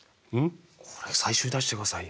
これ最初に出して下さいよ。